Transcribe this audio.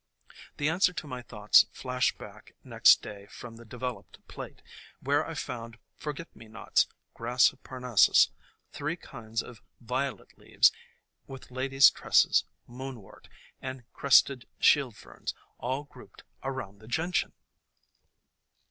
The answer to my thoughts flashed back next day from the developed plate, where I found Forget me nots, Grass of Parnassus, three kinds THE COMING OF SPRING II of Violet leaves, with Ladies' Tresses, Moonwort, and Crested Shield Ferns, all grouped around the Gentian